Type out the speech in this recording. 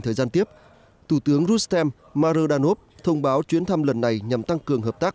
thời gian tiếp thủ tướng rustem mardanov thông báo chuyến thăm lần này nhằm tăng cường hợp tác